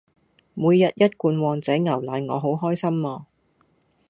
每日一罐旺仔牛奶我好開心啊